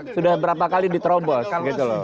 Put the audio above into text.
sudah berapa kali diterobos gitu loh